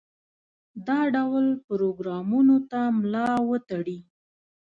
دا ډول پروګرامونو ته ملا وتړي.